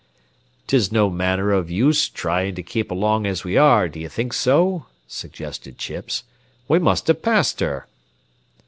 "'Tis no manner av use tryin' to keep along as we are, d'ye think so?" suggested Chips. "We must have passed her."